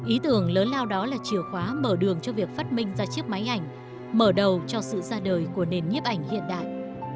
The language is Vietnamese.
ý tưởng lớn lao đó là chìa khóa mở đường cho việc phát minh ra chiếc máy ảnh mở đầu cho sự ra đời của nền nhiếp ảnh hiện đại